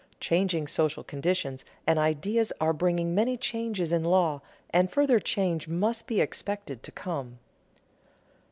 Changing social conditions and ideas are bringing many changes in law, and further change must be expected to come.